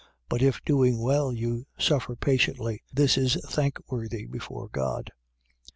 But if doing well you suffer patiently: this is thankworthy before God.